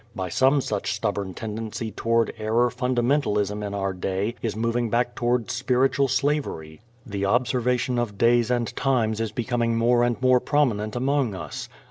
By some such stubborn tendency toward error Fundamentalism in our day is moving back toward spiritual slavery. The observation of days and times is becoming more and more prominent among us.